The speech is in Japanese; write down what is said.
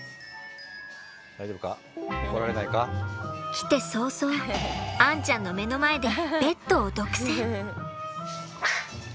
来て早々アンちゃんの目の前でベッドを独占。